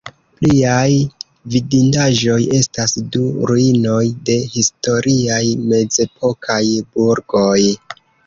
Pliaj vidindaĵoj estas du ruinoj de historiaj mezepokaj burgoj.